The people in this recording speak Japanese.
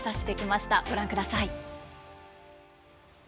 ご覧ください。